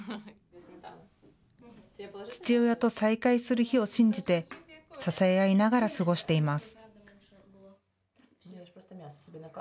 父親と再会する日を信じて支え合いながら過ごしています。